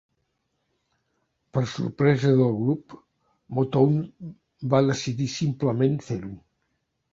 Per a sorpresa del grup, Motown va decidir simplement fer-ho.